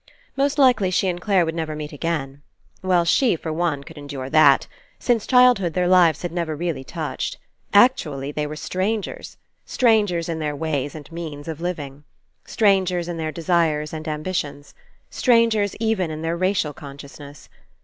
Most likely she and Clare would never meet again. Well, she, for one, could endure that. Since childhood their lives had never really touched. Actually they were strangers. Stran gers in their ways and means of living. Stran gers in their desires and ambitions. Strangers even in their racial consciousness.